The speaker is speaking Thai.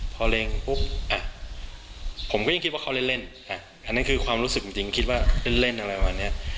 พอเล็งปุ๊บอ่ะผมก็ยังคิดว่าเขาเล่นอันนั้นคือความรู้สึกจริงคิดว่าเล่นอะไรประมาณนี้